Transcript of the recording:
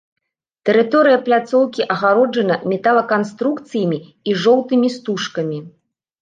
Тэрыторыя пляцоўкі агароджана металаканструкцыямі і жоўтымі стужкамі.